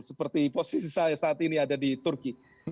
seperti posisi saya saat ini ada di turki